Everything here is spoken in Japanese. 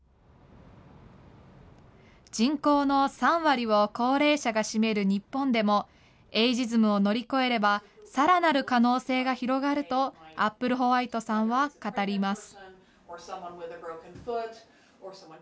人口の３割を高齢者が占める日本でも、エイジズムを乗り越えれば、さらなる可能性が広がるとアップルホワイトさんは語ります。